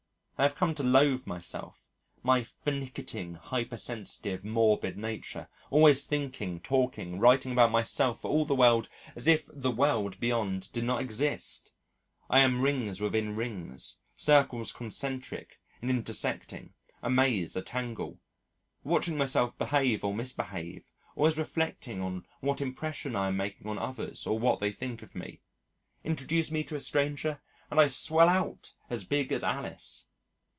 I have come to loathe myself: my finicking, hypersensitive, morbid nature, always thinking, talking, writing about myself for all the world as if the world beyond did not exist! I am rings within rings, circles concentric and intersecting, a maze, a tangle: watching myself behave or misbehave, always reflecting on what impression I am making on others or what they think of me. Introduce me to a stranger and I swell out as big as Alice.